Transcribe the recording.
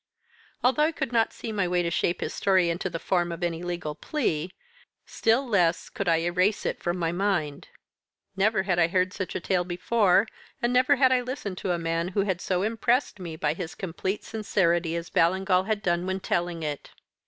Although I could not see my way to shape his story into the form of any legal plea, still less could I erase it from my mind. Never had I heard such a tale before, and never had I listened to a man who had so impressed me by his complete sincerity as Ballingall had done when telling it.